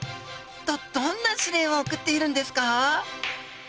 どどんな指令を送っているんですか？